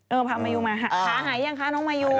เออฟามายูมาหาหายยังคะเจ้าน้องมายู